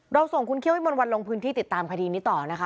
เราส่งคุณเคี้ยวให้บรรวัตลงพื้นที่ติดตามคดีนี้ต่อนะคะ